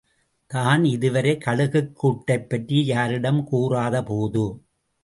தான் இதுவரை, கழுகுக் கூட்டைப்பற்றி யாரிடமும் கூறாதபோது.